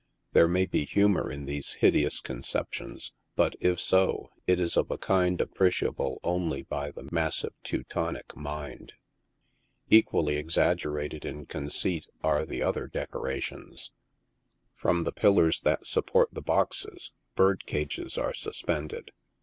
There may be humor in these hideous con ceptions, but if so, it is of a kind appreciable only by the massive Teutonic mind. Equally exaggerated in conceit are the other deco rations. From the pillars that support the boxes bird cages are sus pended.